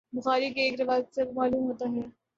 بخاری کی ایک روایت سے معلوم ہوتا ہے